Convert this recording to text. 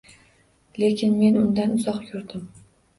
Lekin men undan uzoq yurdim.